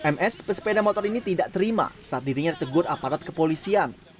ms pesepeda motor ini tidak terima saat dirinya ditegur aparat kepolisian